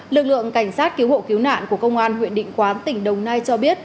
lực lượng cảnh sát cứu hộ cứu nạn của công an huyện định quán tỉnh đồng nai cho biết